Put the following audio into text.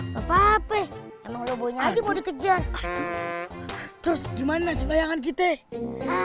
kejar terus gimana layangan kita